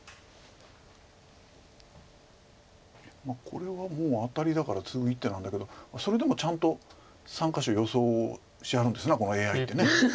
これはもうアタリだからツグ一手なんだけどそれでもちゃんと３か所予想しはるんですなこのＡＩって。